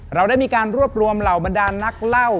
เราได้มีการรวบรวมเหล่าบรรดานนักเล่า